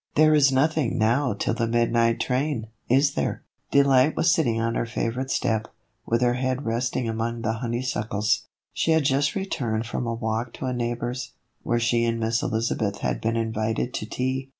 "There is nothing now till the midnight train, is there ?" Delight was sitting on her favorite step, with her head resting among the honeysuckles. She had just returned from a walk to a neighbor's, where she and Miss Elizabeth had been invited to tea.